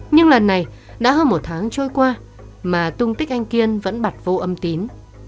nhưng lần này đã hơn một tháng trôi qua mà tung tích anh kiên vẫn bật vô âm tín